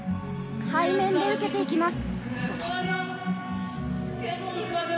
背面で受けていきます。